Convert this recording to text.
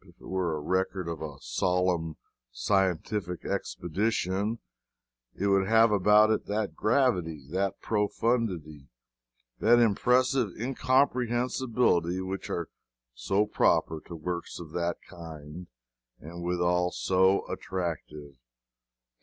If it were a record of a solemn scientific expedition, it would have about it that gravity, that profundity, and that impressive incomprehensibility which are so proper to works of that kind, and withal so attractive.